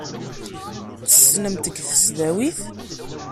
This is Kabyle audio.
Tessnem-t deg tesdawit?